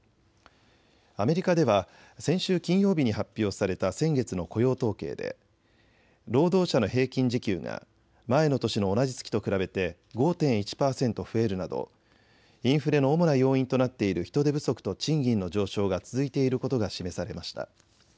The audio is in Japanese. アメリカでは先週金曜日に発表された先月の雇用統計で労働者の平均時給が前の年の同じ月と比べて５．１％増えるなどインフレの主な要因となっている人手不足と賃金の上昇が続いていることが示されました。